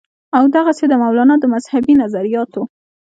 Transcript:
او دغسې د مولانا د مذهبي نظرياتو